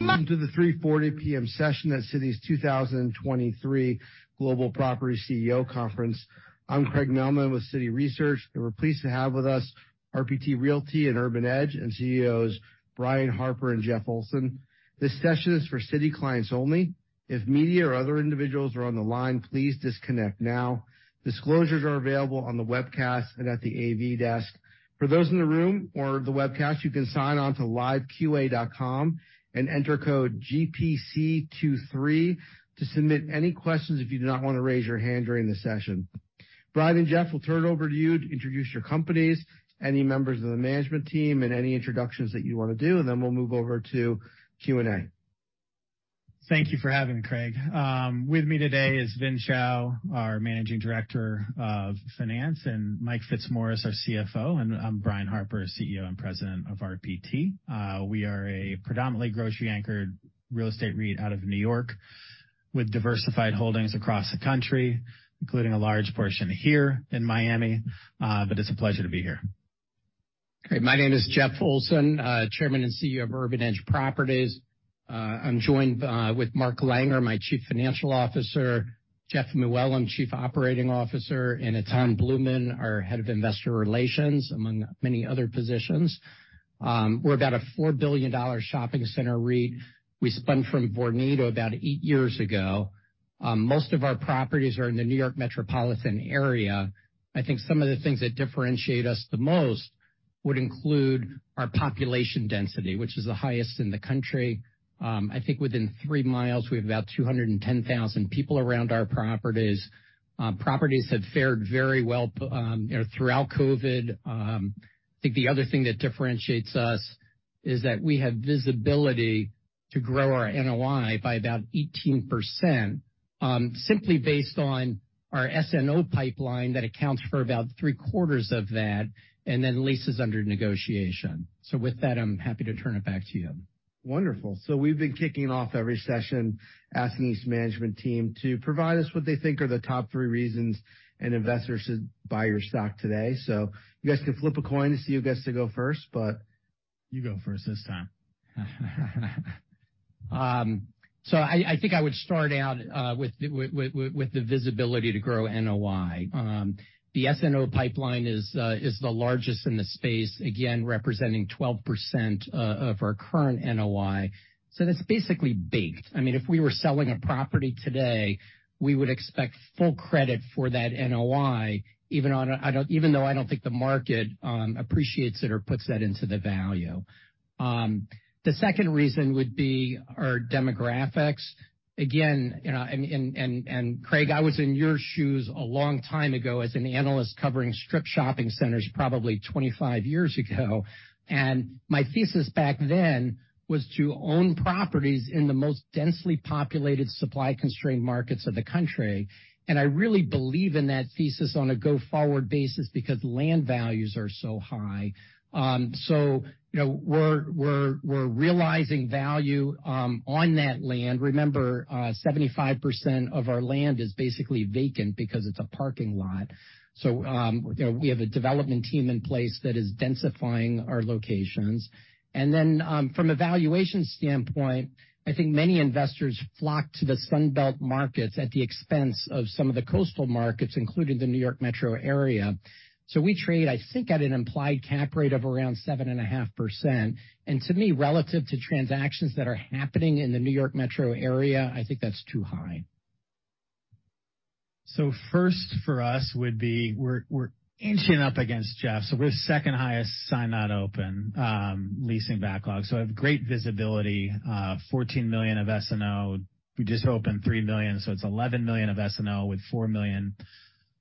Welcome to the 3:40 P.M. session at Citi's 2023 Global Property CEO Conference. I'm Craig Mailman with Citi Research. We're pleased to have with us RPT Realty and Urban Edge and CEOs Brian Harper and Jeffrey Olson. This session is for Citi clients only. If media or other individuals are on the line, please disconnect now. Disclosures are available on the webcast and at the AV desk. For those in the room or the webcast, you can sign on to liveqa.com and enter code GPC 23 to submit any questions if you do not wanna raise your hand during the session. Brian and Jeffrey, we'll turn it over to you to introduce your companies, any members of the management team, and any introductions that you wanna do, and then we'll move over to Q&A. Thank you for having me, Craig. With me today is Vincent Chao, our managing director of finance, and Mike Fitzmaurice, our CFO. I'm Brian Harper, CEO and president of RPT. We are a predominantly grocery anchored real estate REIT out of New York with diversified holdings across the country, including a large portion here in Miami. It's a pleasure to be here. Great. My name is Jeffrey Olson, Chairman and CEO of Urban Edge Properties. I'm joined with Mark Langer, Chief Financial Officer, Jeffreyrey Mooallem, Chief Operating Officer, and Etan Blumin, our Head of Investor Relations, among many other positions. We're about a $4 billion shopping center REIT. We spun from Vornado about 8 years ago. Most of our properties are in the New York metropolitan area. I think some of the things that differentiate us the most would include our population density, which is the highest in the country. I think within 3 miles, we have about 210,000 people around our properties. Properties have fared very well, you know, throughout COVID. I think the other thing that differentiates us is that we have visibility to grow our NOI by about 18%, simply based on our SNO pipeline that accounts for about three-quarters of that and then leases under negotiation. With that, I'm happy to turn it back to you. Wonderful. We've been kicking off every session asking each management team to provide us what they think are the top three reasons an investor should buy your stock today. You guys can flip a coin to see who gets to go first. You go first this time. I think I would start out with the visibility to grow NOI. The SNO pipeline is the largest in the space, again representing 12% of our current NOI. That's basically baked. I mean, if we were selling a property today, we would expect full credit for that NOI, even though I don't think the market appreciates it or puts that into the value. The second reason would be our demographics. Again, you know, Craig Mailman, I was in your shoes a long time ago as an analyst covering strip shopping centers probably 25 years ago. My thesis back then was to own properties in the most densely populated, supply-constrained markets of the country. I really believe in that thesis on a go-forward basis because land values are so high. You know, we're realizing value on that land. Remember, 75% of our land is basically vacant because it's a parking lot. You know, we have a development team in place that is densifying our locations. From a valuation standpoint, I think many investors flock to the Sun Belt markets at the expense of some of the coastal markets, including the New York metro area. We trade, I think, at an implied cap rate of around 7.5%. To me, relative to transactions that are happening in the New York metro area, I think that's too high. First for us would be we're inching up against Jeffrey. We're second highest sign-not-open leasing backlog. We have great visibility, $14 million of SNO. We just opened $3 million, so it's $11 million of SNO with $4 million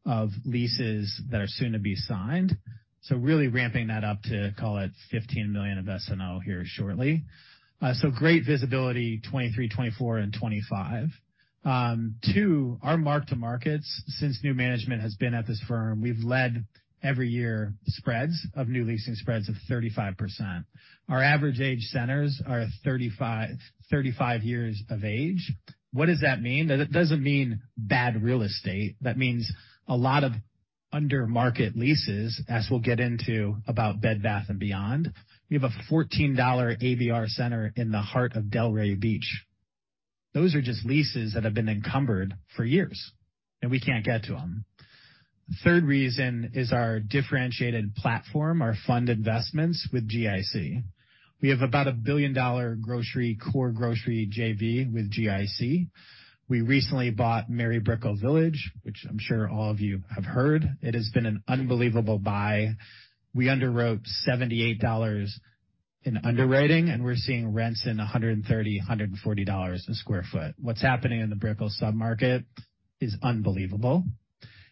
of leases that are soon to be signed. Really ramping that up to, call it, $15 million of SNO here shortly. Great visibility, 2023, 2024, and 2025. Two, our mark-to-markets since new management has been at this firm, we've led every year spreads of new leasing spreads of 35%. Our average age centers are 35 years of age. What does that mean? It doesn't mean bad real estate. It means a lot of under-market leases, as we'll get into about Bed Bath & Beyond. We have a $14 AVR center in the heart of Delray Beach. Those are just leases that have been encumbered for years, and we can't get to them. Third reason is our differentiated platform, our fund investments with GIC. We have about a $1 billion grocery, core grocery JV with GIC. We recently bought Mary Brickell Village, which I'm sure all of you have heard. It has been an unbelievable buy. We underwrote $78 in underwriting, and we're seeing rents in $130, $140 a square foot. What's happening in the Brickell sub-market is unbelievable.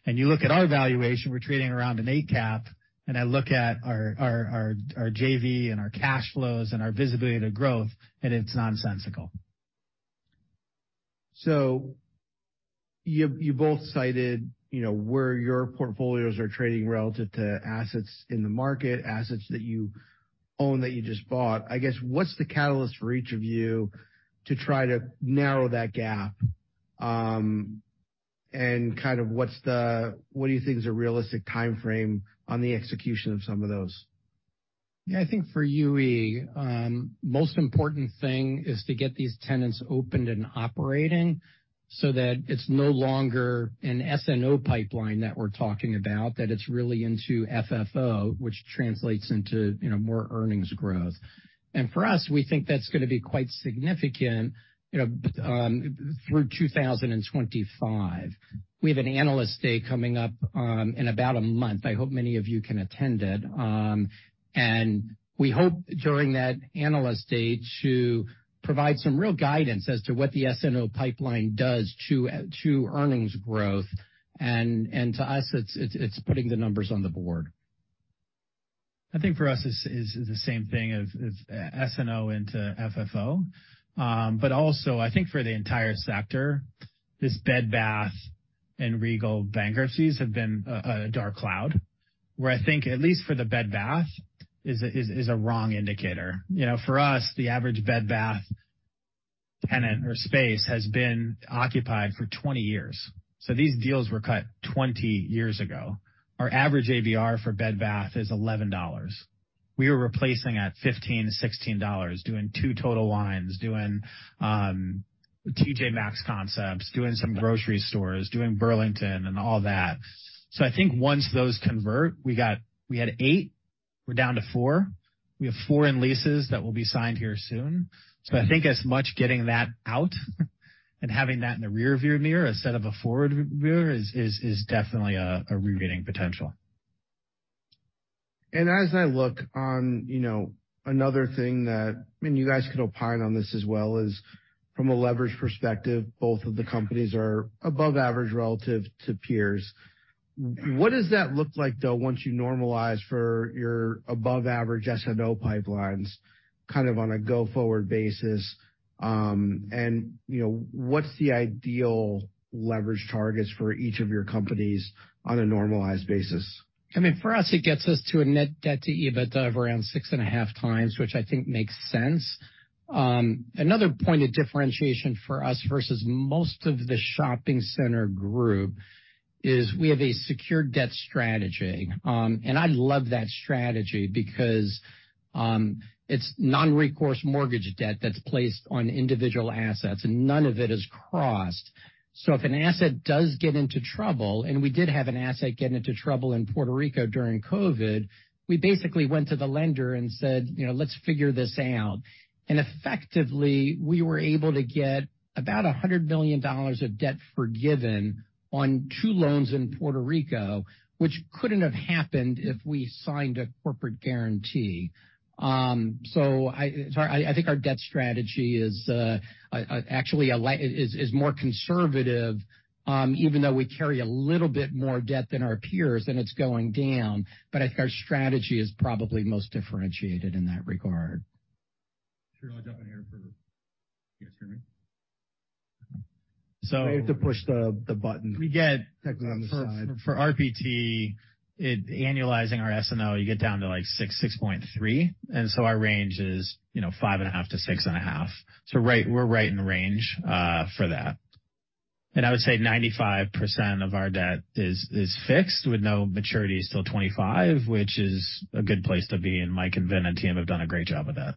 You look at our valuation, we're trading around an 8 cap, and I look at our JV and our cash flows and our visibility to growth, and it's nonsensical. You both cited, you know, where your portfolios are trading relative to assets in the market, assets that you own that you just bought. I guess, what's the catalyst for each of you to try to narrow that gap? Kind of what do you think is a realistic timeframe on the execution of some of those? Yeah, I think for UE, most important thing is to get these tenants opened and operating so that it's no longer an SNO pipeline that we're talking about, that it's really into FFO, which translates into, you know, more earnings growth. For us, we think that's gonna be quite significant, you know, through 2025. We have an analyst day coming up in about a month. I hope many of you can attend it. We hope during that analyst day to provide some real guidance as to what the SNO pipeline does to earnings growth. To us, it's putting the numbers on the board. I think for us, it's the same thing as SNO into FFO. But also, I think for the entire sector, this Bed Bath and Regal bankruptcies have been a dark cloud, where I think, at least for the Bed Bath, is a wrong indicator. You know, for us, the average Bed Bath tenant or space has been occupied for 20 years. These deals were cut 20 years ago. Our average ABR for Bed Bath is $11. We are replacing at $15-$16, doing 2 total lines, doing TJ Maxx concepts, doing some grocery stores, doing Burlington and all that. I think once those convert, we had 8, we're down to 4. We have 4 in leases that will be signed here soon. I think as much getting that out and having that in the rear view mirror instead of a forward view is definitely a rereading potential. As I look on, you know, another thing that, I mean, you guys could opine on this as well, is from a leverage perspective, both of the companies are above average relative to peers. What does that look like, though, once you normalize for your above-average SNO pipelines, kind of on a go-forward basis? You know, what's the ideal leverage targets for each of your companies on a normalized basis? I mean, for us, it gets us to a net debt to EBITDA of around 6.5 times, which I think makes sense. Another point of differentiation for us versus most of the shopping center group is we have a secure debt strategy. I love that strategy because it's non-recourse mortgage debt that's placed on individual assets, and none of it is crossed. If an asset does get into trouble, and we did have an asset get into trouble in Puerto Rico during COVID, we basically went to the lender and said, "You know, let's figure this out." Effectively, we were able to get about $100 million of debt forgiven on 2 loans in Puerto Rico, which couldn't have happened if we signed a corporate guarantee. Sorry. I think our debt strategy is actually more conservative, even though we carry a little bit more debt than our peers, and it's going down. I think our strategy is probably most differentiated in that regard. Sure, I'll jump in here. Can you guys hear me? You have to push the button. We That button on the side. For RPT, it annualizing our SNO, you get down to, like, 6.3. Our range is, you know, 5.5-6.5. We're right in range for that. I would say 95% of our debt is fixed with no maturities till 2025, which is a good place to be, and Mike and Vin and team have done a great job with that.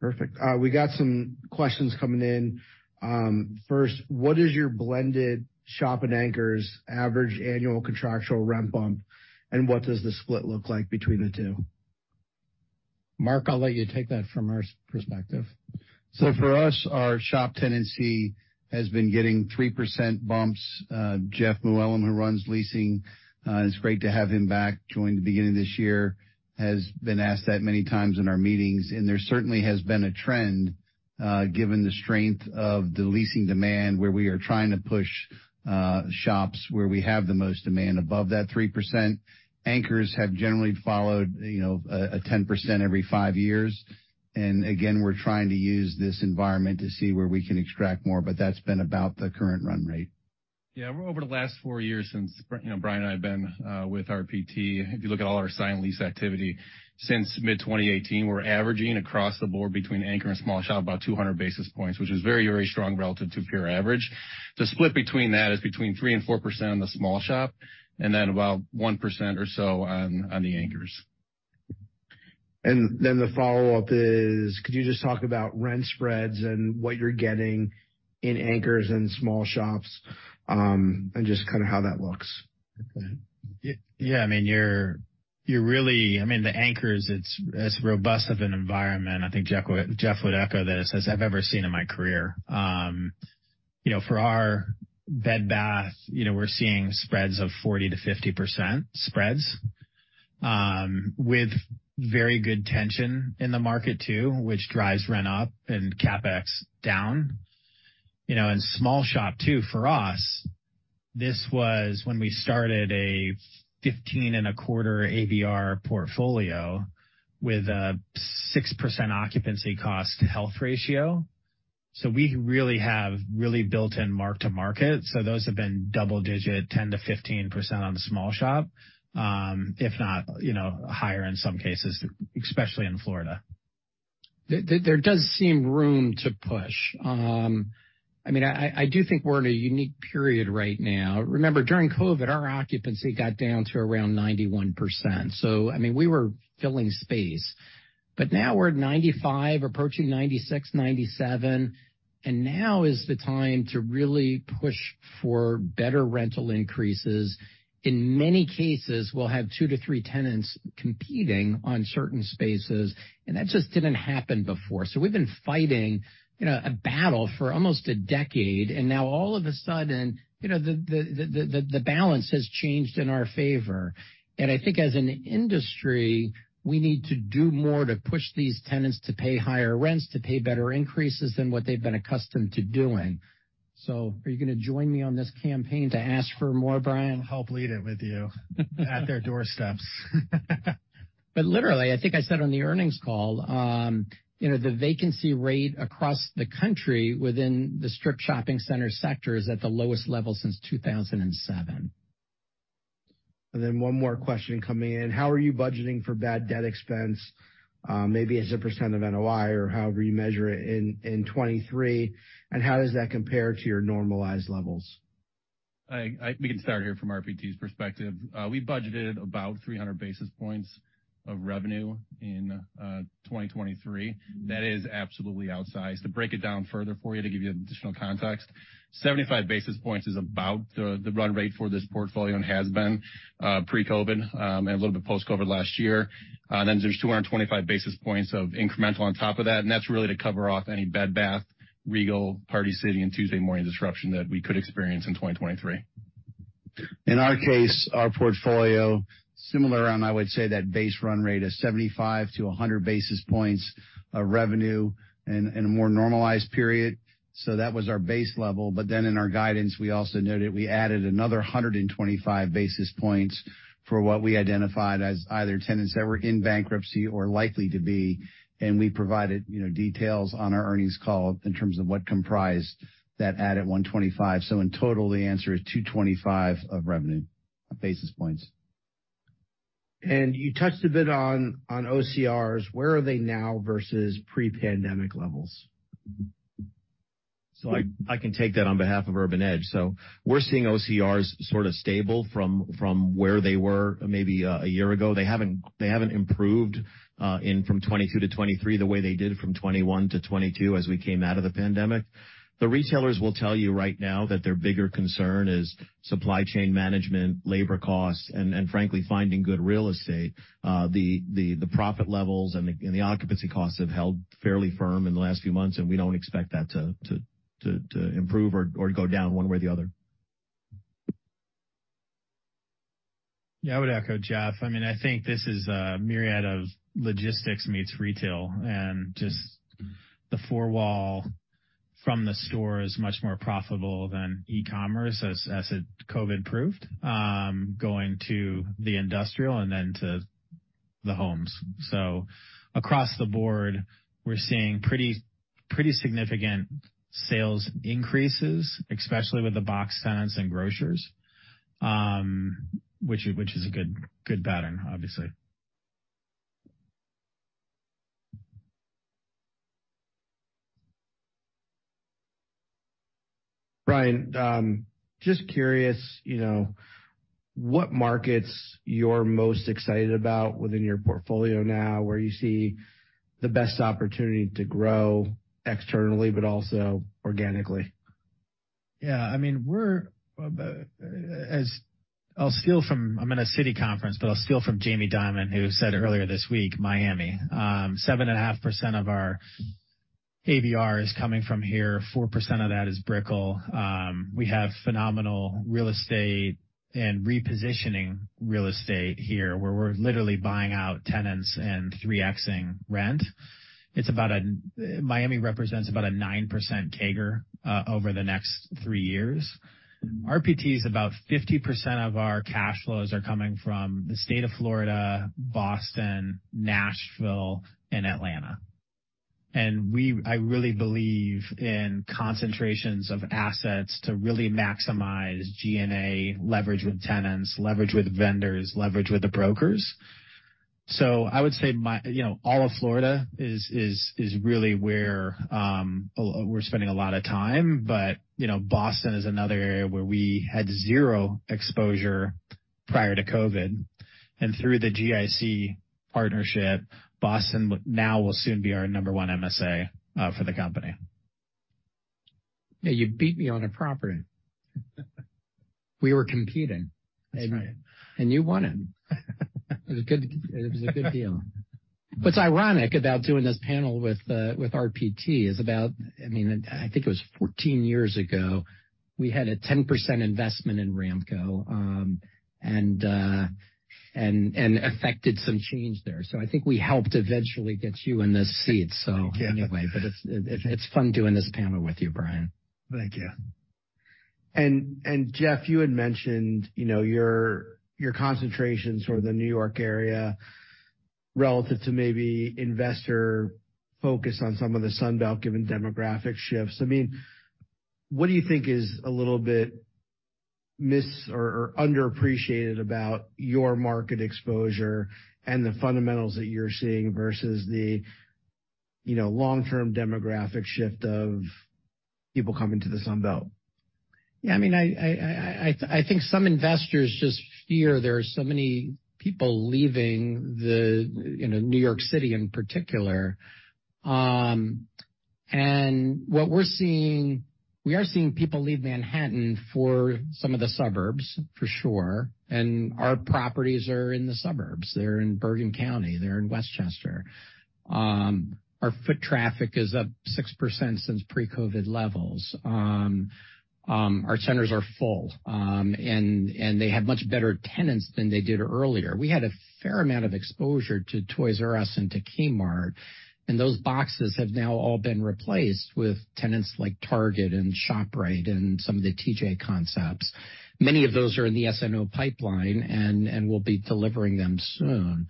Perfect. We got some questions coming in. First, what is your blended shop and anchors average annual contractual rent bump, and what does the split look like between the two? Mark, I'll let you take that from our perspective. For us, our shop tenancy has been getting 3% bumps. Jeffrey Mooallem, who runs leasing, it's great to have him back, joined the beginning of this year, has been asked that many times in our meetings. There certainly has been a trend, given the strength of the leasing demand, where we are trying to push shops where we have the most demand above that 3%. Anchors have generally followed, you know, 10% every five years. Again, we're trying to use this environment to see where we can extract more, but that's been about the current run rate. Yeah. Over the last 4 years since you know, Brian and I have been with RPT. If you look at all our sign lease activity since mid-2018, we're averaging across the board between anchor and small shop, about 200 basis points, which is very, very strong relative to peer average. The split between that is between 3% and 4% on the small shop and then about 1% or so on the anchors. Then the follow-up is, could you just talk about rent spreads and what you're getting in anchors and small shops, and just kind of how that looks? Yeah, I mean, you're really... I mean, the anchors, it's as robust of an environment, I think Jeffrey would echo this, as I've ever seen in my career. you know, for our Bed Bath, you know, we're seeing spreads of 40%-50% spreads, with very good tension in the market too, which drives rent up and CapEx down. And small shop, too, for us, this was when we started a 15 and a quarter ABR portfolio with a 6% occupancy cost health ratio. We really have built in mark to market. Those have been double digit, 10%-15% on the small shop, if not, you know, higher in some cases, especially in Florida. There does seem room to push. I mean, I do think we're in a unique period right now. Remember, during COVID, our occupancy got down to around 91%. I mean, we were filling space. Now we're at 95, approaching 96, 97, and now is the time to really push for better rental increases. In many cases, we'll have two to three tenants competing on certain spaces, and that just didn't happen before. We've been fighting, you know, a battle for almost a decade, and now all of a sudden, you know, the balance has changed in our favor. I think as an industry, we need to do more to push these tenants to pay higher rents, to pay better increases than what they've been accustomed to doing. Are you gonna join me on this campaign to ask for more, Brian? I'll help lead it with you. At their doorsteps. Literally, I think I said on the earnings call, you know, the vacancy rate across the country within the strip shopping center sector is at the lowest level since 2007. One more question coming in. How are you budgeting for bad debt expense, maybe as a % of NOI or however you measure it in 2023? How does that compare to your normalized levels? We can start here from RPT's perspective. We budgeted about 300 basis points of revenue in 2023. That is absolutely outsized. To break it down further for you, to give you additional context, 75 basis points is about the run rate for this portfolio and has been pre-COVID and a little bit post-COVID last year. Then there's 225 basis points of incremental on top of that, and that's really to cover off any Bed Bath, Regal, Party City, and Tuesday Morning disruption that we could experience in 2023. In our case, our portfolio, similar, and I would say that base run rate is 75 to 100 basis points of revenue in a more normalized period. That was our base level. In our guidance, we also noted we added another 125 basis points for what we identified as either tenants that were in bankruptcy or likely to be, and we provided, you know, details on our earnings call in terms of what comprised that added 125. In total, the answer is 225 of revenue basis points. You touched a bit on OCR. Where are they now versus pre-pandemic levels? I can take that on behalf of Urban Edge. We're seeing OCRs sort of stable from where they were maybe a year ago. They haven't improved in from 2022-2023 the way they did from 2021-2022 as we came out of the pandemic. The retailers will tell you right now that their bigger concern is supply chain management, labor costs, and frankly, finding good real estate. The profit levels and the occupancy costs have held fairly firm in the last few months, and we don't expect that to improve or go down one way or the other. Yeah. I would echo Jeffrey. I mean, I think this is a myriad of logistics meets retail and just the four wall from the store is much more profitable than e-commerce as COVID proved, going to the industrial and then to the homes. Across the board, we're seeing pretty significant sales increases, especially with the box tenants and grocers, which is a good pattern, obviously. Brian, just curious, you know, what markets you're most excited about within your portfolio now, where you see the best opportunity to grow externally but also organically? I'm in a Citi conference, I'll steal from Jamie Dimon, who said earlier this week, Miami. 7.5% of our AVR is coming from here. 4% of that is Brickell. We have phenomenal real estate and repositioning real estate here, where we're literally buying out tenants and 3x-ing rent. Miami represents about a 9% CAGR over the next 3 years. RPT is about 50% of our cash flows are coming from the state of Florida, Boston, Nashville, and Atlanta. I really believe in concentrations of assets to really maximize G&A leverage with tenants, leverage with vendors, leverage with the brokers. I would say you know, all of Florida is really where we're spending a lot of time. You know, Boston is another area where we had 0 exposure prior to COVID. Through the GIC partnership, Boston now will soon be our 1 MSA for the company. Yeah, you beat me on a property. We were competing. That's right. You won it. It was a good, it was a good deal. What's ironic about doing this panel with RPT is about, I mean, I think it was 14 years ago, we had a 10% investment in Ramco, and affected some change there. I think we helped eventually get you in this seat. Anyway. Yeah. It's fun doing this panel with you, Brian. Thank you. Jeffrey, you had mentioned, you know, your concentration sort of the New York area relative to maybe investor focus on some of the Sun Belt given demographic shifts. I mean, what do you think is a little bit miss or underappreciated about your market exposure and the fundamentals that you're seeing versus the, you know, long-term demographic shift of people coming to the Sun Belt? Yeah, I mean, I think some investors just fear there are so many people leaving the, you know, New York City in particular. What we're seeing, we are seeing people leave Manhattan for some of the suburbs for sure, and our properties are in the suburbs. They're in Bergen County, they're in Westchester. Our foot traffic is up 6% since pre-COVID levels. Our centers are full, and they have much better tenants than they did earlier. We had a fair amount of exposure to Toys R Us and to Kmart, and those boxes have now all been replaced with tenants like Target and ShopRite and some of the TJ concepts. Many of those are in the SNO pipeline and we'll be delivering them soon.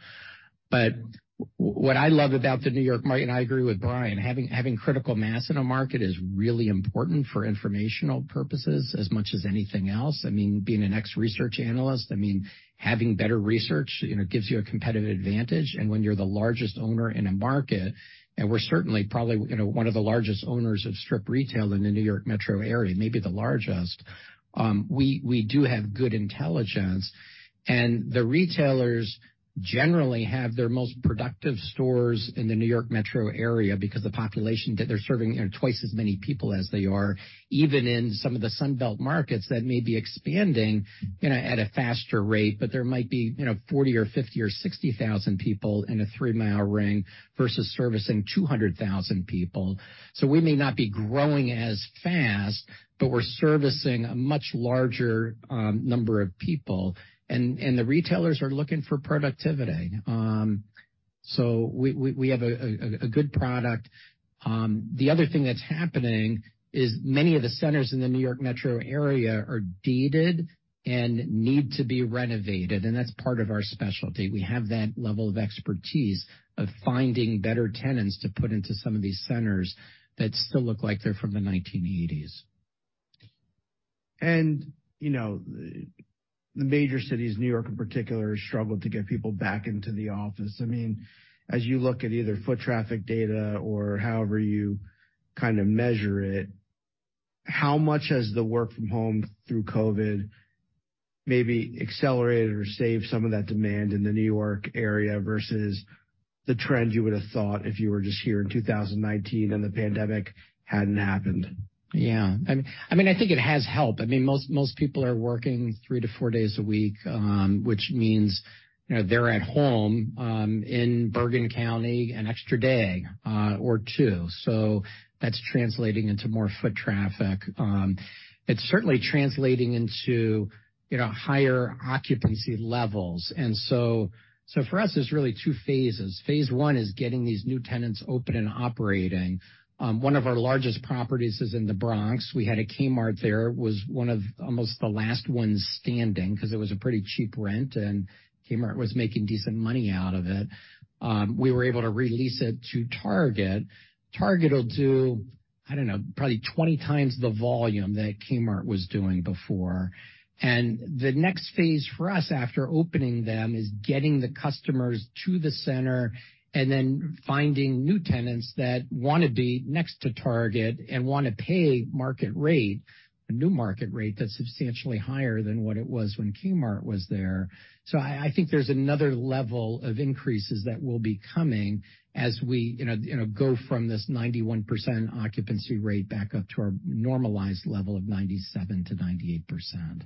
What I love about the New York market, and I agree with Brian, having critical mass in a market is really important for informational purposes as much as anything else. I mean, being an ex-research analyst, I mean, having better research, you know, gives you a competitive advantage. When you're the largest owner in a market, and we're certainly probably, you know, one of the largest owners of strip retail in the New York metro area, maybe the largest, we do have good intelligence. The retailers generally have their most productive stores in the New York metro area because the population that they're serving are twice as many people as they are, even in some of the Sun Belt markets that may be expanding, you know, at a faster rate. There might be, you know, 40,000 or 50,000 or 60,000 people in a 3-mile ring versus servicing 200,000 people. We may not be growing as fast, but we're servicing a much larger number of people. The retailers are looking for productivity. We have a good product. The other thing that's happening is many of the centers in the New York metro area are deeded and need to be renovated, and that's part of our specialty. We have that level of expertise of finding better tenants to put into some of these centers that still look like they're from the 1980s. You know, the major cities, New York in particular, struggle to get people back into the office. I mean, as you look at either foot traffic data or however you kind of measure it, how much has the work from home through COVID maybe accelerated or saved some of that demand in the New York area versus the trend you would have thought if you were just here in 2019 and the pandemic hadn't happened? Yeah. I mean, I think it has helped. I mean, most people are working three to four days a week, which means, you know, they're at home in Bergen County an extra day or two. That's translating into more foot traffic. It's certainly translating into, you know, higher occupancy levels. So for us, it's really two phases. Phase one is getting these new tenants open and operating. One of our largest properties is in the Bronx. We had a Kmart there, was one of almost the last ones standing because it was a pretty cheap rent, and Kmart was making decent money out of it. We were able to re-lease it to Target. Target will do, I don't know, probably 20 times the volume that Kmart was doing before. The next phase for us after opening them is getting the customers to the center and then finding new tenants that wanna be next to Target and wanna pay market rate, a new market rate that's substantially higher than what it was when Kmart was there. I think there's another level of increases that will be coming as we, you know, go from this 91% occupancy rate back up to our normalized level of 97%-98%.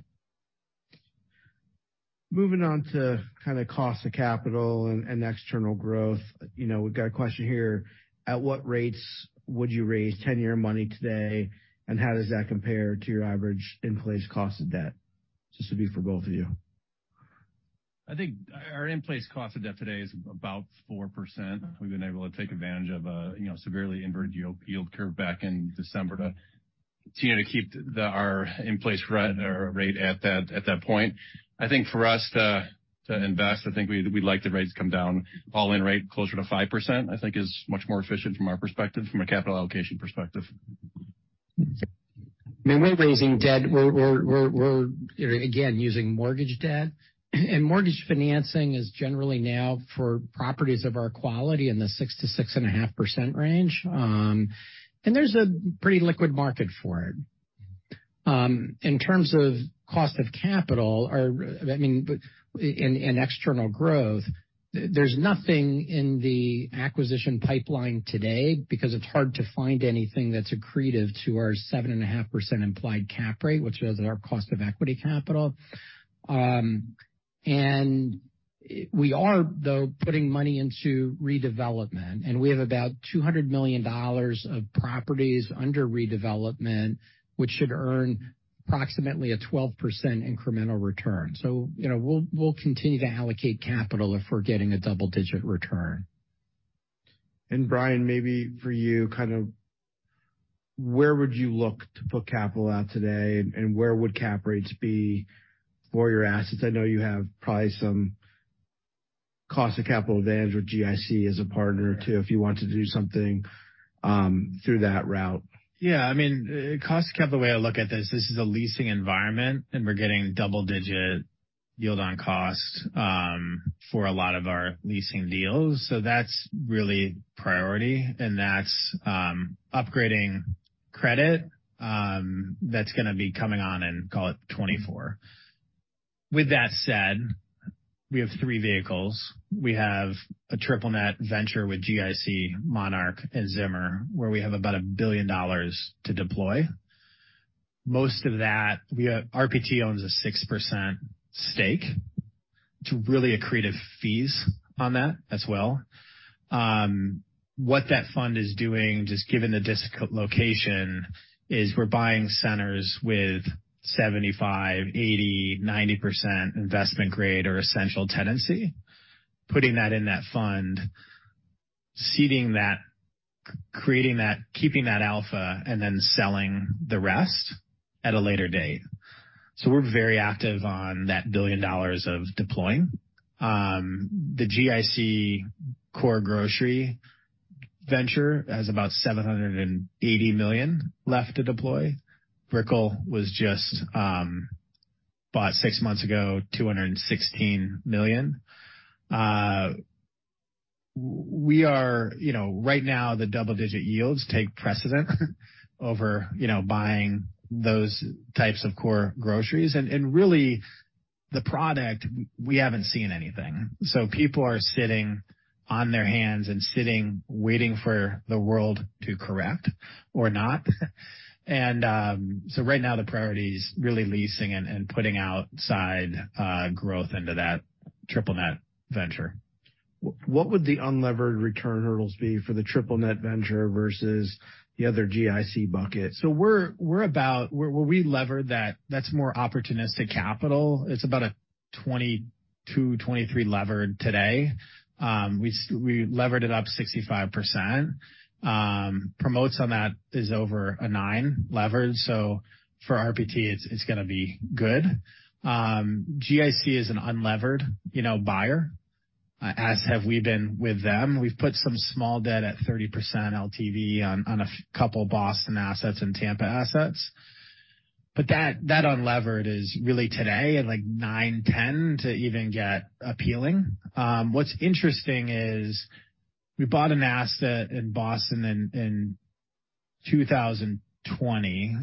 Moving on to kinda cost of capital and external growth. You know, we've got a question here. At what rates would you raise 10-year money today, and how does that compare to your average in-place cost of debt? This will be for both of you. I think our in-place cost of debt today is about 4%. We've been able to take advantage of a, you know, severely inverted yield curve back in December to, you know, keep our in-place rate at that point. I think for us to invest, I think we'd like the rates to come down all-in rate closer to 5%, I think is much more efficient from our perspective, from a capital allocation perspective. When we're raising debt, we're again, using mortgage debt. Mortgage financing is generally now for properties of our quality in the 6% to 6.5% range. There's a pretty liquid market for it. In terms of cost of capital or, I mean, in external growth, there's nothing in the acquisition pipeline today because it's hard to find anything that's accretive to our 7.5% implied cap rate, which is our cost of equity capital. We are, though, putting money into redevelopment, and we have about $200 million of properties under redevelopment, which should earn approximately a 12% incremental return. You know, we'll continue to allocate capital if we're getting a double-digit return. Brian, maybe for you kind of where would you look to put capital out today and where would cap rates be for your assets? I know you have probably some cost of capital advantage with GIC as a partner too, if you want to do something through that route. I mean, cost capital, the way I look at this is a leasing environment, and we're getting double-digit yield on cost for a lot of our leasing deals. That's really priority, and that's upgrading credit that's going to be coming on in, call it 2024. With that said, we have three vehicles. We have a triple-net venture with GIC, Monarch Alternative Capital, and Zimmer Partners, where we have about $1 billion to deploy. Most of that, RPT owns a 6% stake to really accretive fees on that as well. What that fund is doing, just given the dislocation, is we're buying centers with 75%, 80%, 90% investment grade or essential tenancy, putting that in that fund, seeding that, creating that, keeping that alpha, and then selling the rest at a later date. We're very active on that $1 billion of deploying. The GIC core grocery venture has about $780 million left to deploy. Brickle was just bought six months ago, $216 million. We are, you know, right now, the double-digit yields take precedent over, you know, buying those types of core groceries. Really, the product, we haven't seen anything. People are sitting on their hands and sitting, waiting for the world to correct or not. Right now the priority is really leasing and putting outside growth into that triple net venture. What would the unlevered return hurdles be for the triple net venture versus the other GIC bucket? Where we lever that's more opportunistic capital. It's about a 22, 23 levered today. We levered it up 65%. Promotes on that is over a 9 levered. For RPT, it's gonna be good. GIC is an unlevered, you know, buyer, as have we been with them. We've put some small debt at 30% LTV on a couple Boston assets and Tampa assets. That, that unlevered is really today at, like, 9, 10 to even get appealing. What's interesting is we bought an asset in Boston in 2020,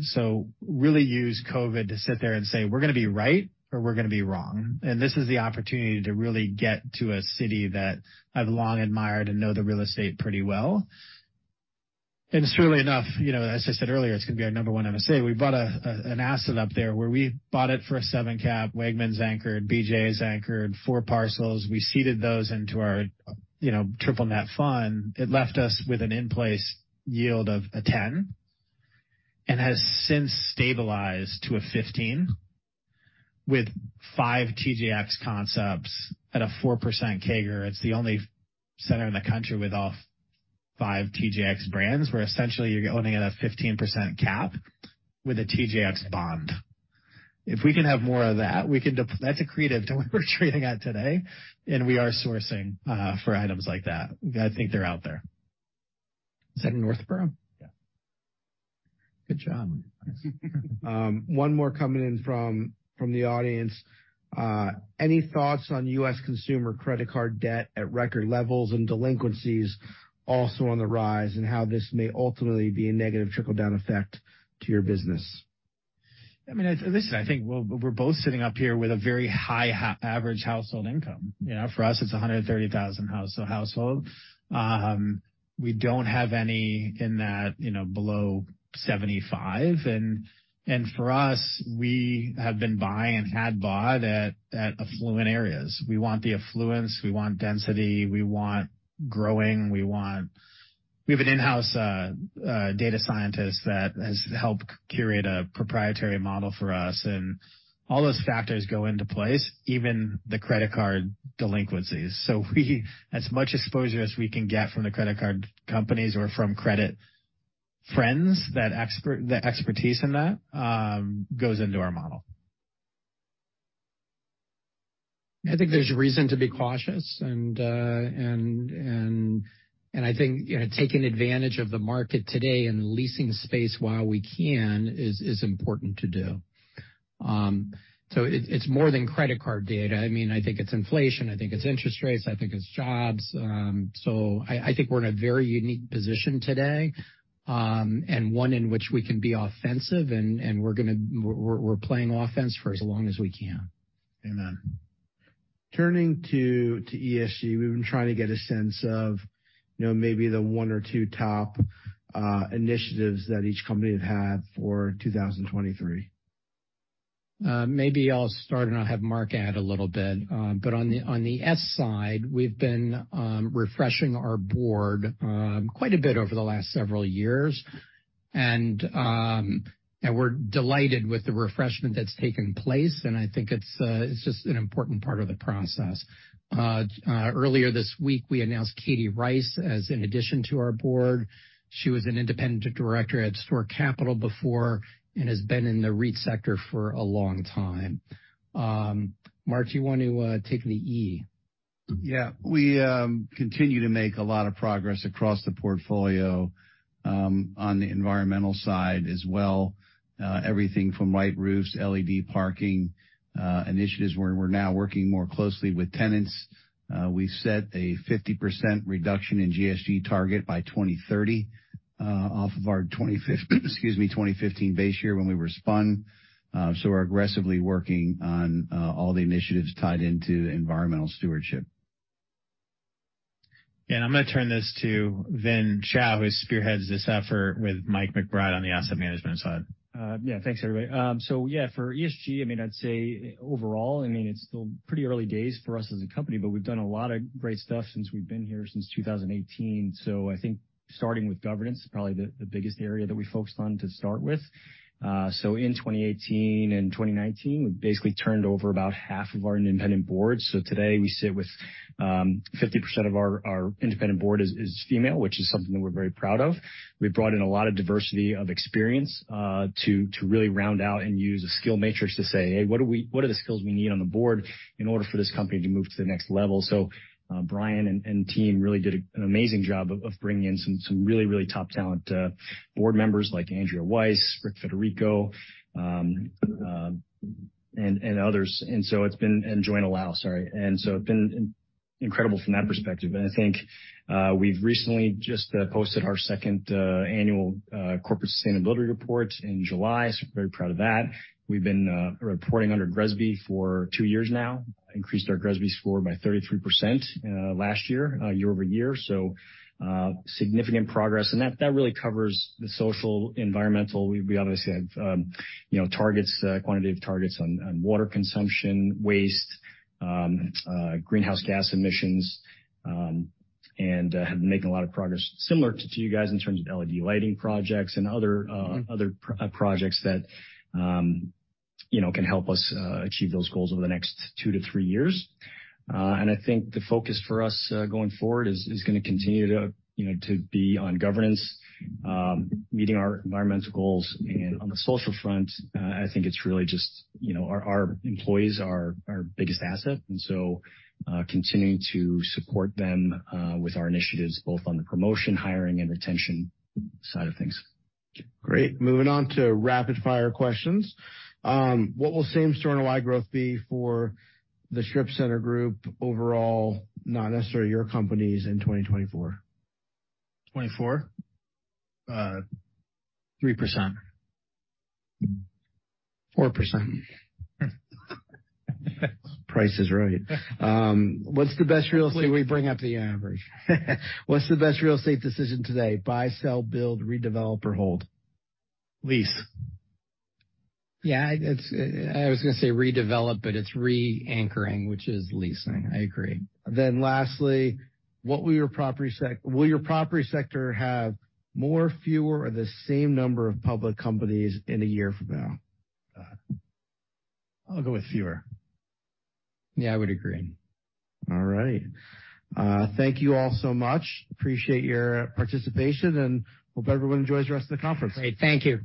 really used COVID to sit there and say, "We're gonna be right, or we're gonna be wrong." This is the opportunity to really get to a city that I've long admired and know the real estate pretty well. Surely enough, you know, as I said earlier, it's gonna be our 1 MSA. We bought an asset up there where we bought it for a 7 cap, Wegmans anchored, BJ's anchored, 4 parcels. We seeded those into our, you know, triple net fund. It left us with an in-place yield of a 10 and has since stabilized to a 15 with 5 TJX concepts at a 4% CAGR. It's the only center in the country with all 5 TJX brands, where essentially you're owning at a 15% cap with a TJX bond. If we can have more of that, we can that's accretive to what we're trading at today, and we are sourcing for items like that. I think they're out there. Is that in Northborough? Yeah. Good job. Thanks. One more coming in from the audience. Any thoughts on U.S. consumer credit card debt at record levels and delinquencies also on the rise and how this may ultimately be a negative trickle-down effect to your business? I mean, listen, I think we're both sitting up here with a very high average household income. You know, for us, it's a $130,000 household. We don't have any in that, you know, below $75,000. For us, we have been buying and had bought at affluent areas. We want the affluence, we want density, we want growing, we want... We have an in-house data scientist that has helped curate a proprietary model for us. All those factors go into place, even the credit card delinquencies. We as much exposure as we can get from the credit card companies or from credit friends, that expertise in that goes into our model. I think there's reason to be cautious, and I think, you know, taking advantage of the market today and leasing space while we can is important to do. It's more than credit card data. I mean, I think it's inflation, I think it's interest rates, I think it's jobs. I think we're in a very unique position today, and one in which we can be offensive, and we're playing offense for as long as we can. Amen. Turning to ESG, we've been trying to get a sense of, you know, maybe the one or two top initiatives that each company have had for 2023. Maybe I'll start, and I'll have Mark add a little bit. On the S side, we've been refreshing our board quite a bit over the last several years. We're delighted with the refreshment that's taken place, and I think it's just an important part of the process. Earlier this week, we announced Kathryn Rice as an addition to our board. She was an independent director at STORE Capital before and has been in the REIT sector for a long time. Mark, do you want to take the E? We continue to make a lot of progress across the portfolio on the environmental side as well. Everything from white roofs, LED parking, initiatives where we're now working more closely with tenants. We've set a 50% reduction in GHG target by 2030 off of our 2015 base year when we were spun. We're aggressively working on all the initiatives tied into environmental stewardship. I'm gonna turn this to Vincent Chao, who spearheads this effort with Michael McBride on the asset management side. Yeah, thanks, everybody. For ESG, I mean, I'd say overall, I mean, it's still pretty early days for us as a company, but we've done a lot of great stuff since we've been here since 2018. I think starting with governance is probably the biggest area that we focused on to start with. In 2018 and 2019, we basically turned over about half of our independent board. Today we sit with, 50% of our independent board is female, which is something that we're very proud of. We brought in a lot of diversity of experience to really round out and use a skill matrix to say, "Hey, what are the skills we need on the board in order for this company to move to the next level?" Brian and team really did an amazing job of bringing in some really top talent board members like Anderea Weiss, Richard Federico, and others. It's been... Joanne Lau, sorry. It's been incredible from that perspective. I think we've recently just posted our second annual corporate sustainability report in July, so very proud of that. We've been reporting under GRESB for 2 years now, increased our GRESB score by 33% last year-over-year. Significant progress. That really covers the social, environmental. We obviously have, you know, targets, quantitative targets on water consumption, waste, greenhouse gas emissions, and have been making a lot of progress similar to you guys in terms of LED lighting projects and other projects that, you know, can help us achieve those goals over the next two to three years. I think the focus for us going forward is gonna continue to, you know, to be on governance, meeting our environmental goals. On the social front, I think it's really just, you know, our employees are our biggest asset, so continuing to support them with our initiatives, both on the promotion, hiring, and retention side of things. Great. Moving on to rapid fire questions. What will same-store NOI growth be for the strip center group overall, not necessarily your companies, in 2024? 24? 3%. 4%. Price is right. We bring up the average. What's the best real estate decision today? Buy, sell, build, redevelop or hold? Lease. Yeah, it's. I was gonna say redevelop, but it's reanchoring, which is leasing. I agree. lastly, will your property sector have more, fewer or the same number of public companies in a year from now? I'll go with fewer. Yeah, I would agree. All right. Thank you all so much. Appreciate your participation and hope everyone enjoys the rest of the conference. Great. Thank you.